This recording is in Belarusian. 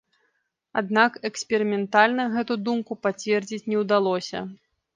Аднак эксперыментальна гэту думку пацвердзіць не ўдалося.